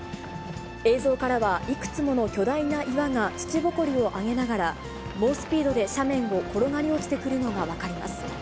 映像からはいくつもの巨大な岩が土ぼこりを上げながら、猛スピードで斜面を転がり落ちてくるのが分かります。